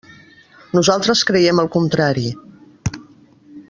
Nosaltres creiem el contrari.